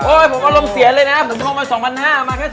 โอ้ยผมก็ลงเสียเลยนะผมลงมา๒๕๐๐มาแค่๒ชามเนี่ย